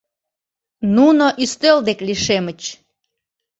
Нуно ӱстел деке лишемыч.